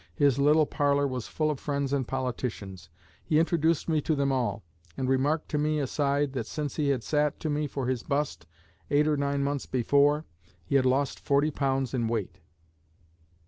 His little parlor was full of friends and politicians. He introduced me to them all, and remarked to me aside that since he had sat to me for his bust, eight or nine months before, he had lost forty pounds in weight.